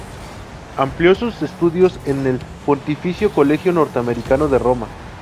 Amplió sus estudios en el Pontificio Colegio Norteamericano de Roma.